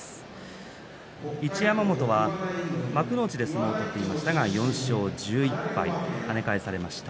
一山本は幕内で相撲を取っていましたが４勝１１敗、跳ね返されました。